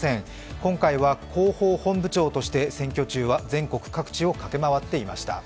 今回は広報本部長として選挙中は全国各地を駆け回っていました。